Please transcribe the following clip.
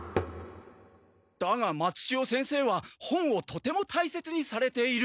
だが松千代先生は本をとても大切にされている。